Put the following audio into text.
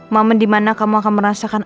momen dimana kamu akan merasakan